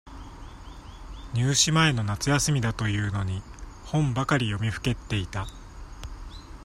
入試前の夏休みだというのに、本ばかり読みふけっていた。